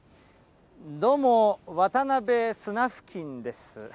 どうも、渡辺スナフキンです。